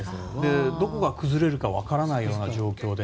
どこが崩れるか分からない状況で。